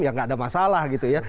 ya nggak ada masalah gitu ya